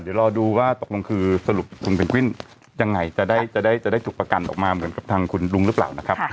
เดี๋ยวรอดูว่าตกลงคือสรุปคุณเพนกวินยังไงจะได้ถูกประกันออกมาเหมือนกับทางคุณลุงหรือเปล่านะครับ